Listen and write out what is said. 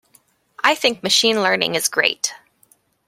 I think Machine Learning is great.